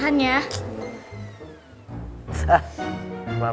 kamu harus diobatin